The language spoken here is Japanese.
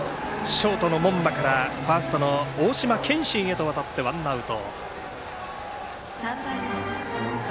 ショートの門間からファーストの大島健真へわたってワンアウト。